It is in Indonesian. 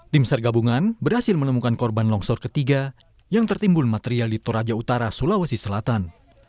tim sar gabungan berhasil menemukan korban longsor ketiga yang tertimbun material di toraja utara sulawesi selatan